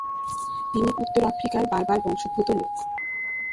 তিনি উত্তর আফ্রিকার বার্বার বংশোদ্ভূত লোক।